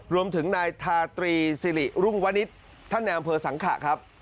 รวมถึงนายทาตรีสิริรุ่งวนิษฐ์ท่านในอำเภอสังขะครับ